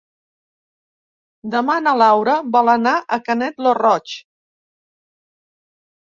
Demà na Laura vol anar a Canet lo Roig.